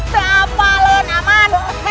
siapa lu naman